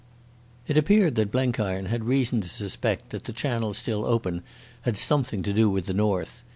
It appeared that Blenkiron had reason to suspect that the channel still open had something to do with the North.